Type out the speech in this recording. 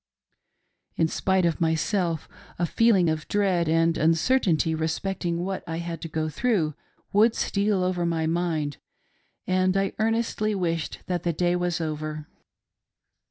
In spite of myself, a feeling of dread and uncertainty respecting what I had to go through Would steal over my mind, aind I earnestly wished that the day was over.